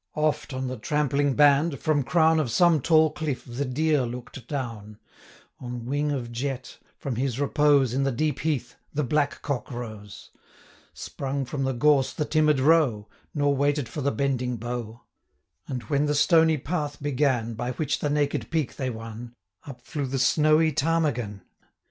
Oft on the trampling band, from crown Of some tall cliff, the deer look'd down; 10 On wing of jet, from his repose In the deep heath, the black cock rose; Sprung from the gorse the timid roe, Nor waited for the bending bow; And when the stony path began, 15 By which the naked peak they wan, Up flew the snowy ptarmigan.